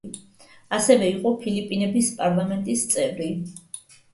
ასევე იყო ფილიპინების პარლამენტის წევრი.